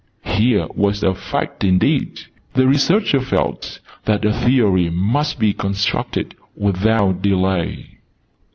Here was a Fact indeed! The Researcher felt that a Theory must be constructed without delay.